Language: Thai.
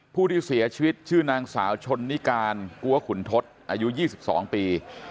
ผู้ที่เสียชีวิตชื่อนางสาวชนนิการกัวขุนทศอายุ๒๒ปี